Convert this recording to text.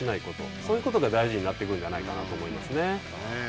そういうことが大事になってくるんじゃないかなと思いますね。